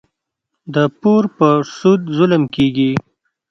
د پور پر سود ظلم کېږي.